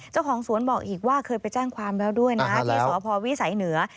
เจ้าของสวนบอกอีกว่าเคยไปแจ้งความแล้วด้วยนะที่สพวิสัยเหนือ